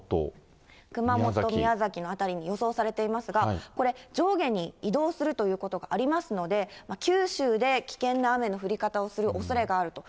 熊本、宮崎の辺りに、予想されていますが、これ、上下に移動するということがありますので、九州で危険な雨の降り方をするおそれがあると。